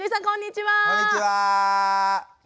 こんにちは！